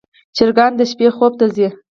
چرګان د شپې خوب ته ځي.